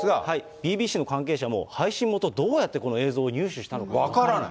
ＢＢＣの関係者も、配信元、どうやってこの映像を入手したのか分からない。